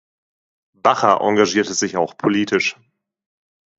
Bacher engagierte sich auch politisch.